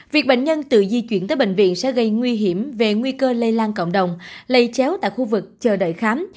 việc bệnh nhân tự di chuyển tới bệnh viện sẽ gây nguy hiểm về nguy cơ lây lan cộng đồng lây chéo tại khu vực chờ đợi khám